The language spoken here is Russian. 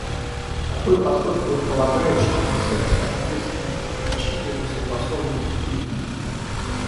Такой подход предполагает, что концепция «ответственности по защите» уже согласована и признана.